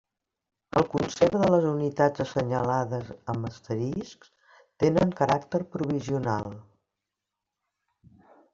El concert de les unitats assenyalades amb asterisc tenen caràcter provisional.